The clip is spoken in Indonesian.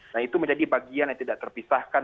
nah itu menjadi bagian yang tidak terpisahkan